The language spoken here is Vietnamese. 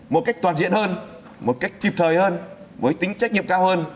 một cách toàn diện hơn một cách kịp thời hơn với tính trách nhiệm cao hơn